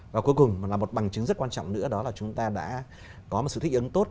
và cuối cùng là một bằng chứng rất quan trọng nữa đó là chúng ta đã có một sự thích ứng tốt